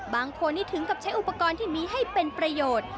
บางคนนี้ถึงกับใช้อุปกรณ์ที่มีให้เป็นประโยชน์